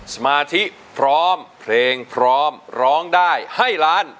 สมาธิพร้อมเพลงพร้อมร้องได้ให้ล้าน